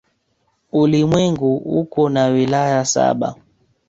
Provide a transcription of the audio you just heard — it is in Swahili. Ulimwengu uko na wilaya saba.